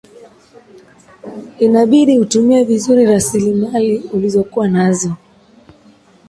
inabidi utumie vizuri rasilimali ulizokuwa nazo